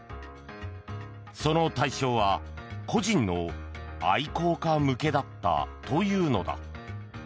その対象は個人の愛好家向けだったというのだ。